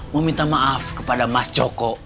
meminta maaf kepada mas joko